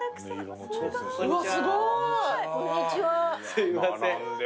すいません。